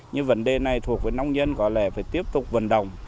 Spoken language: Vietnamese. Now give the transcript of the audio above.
nhưng vấn đề này thuộc với nông dân có lẽ phải tiếp tục vận động